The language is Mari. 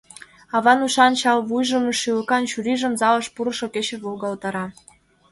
Аван ушан чал вуйжым, шӱлыкан чурийжым залыш пурышо кече волгалтара.